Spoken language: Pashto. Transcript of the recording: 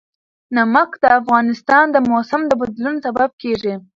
نمک د افغانستان د موسم د بدلون سبب کېږي.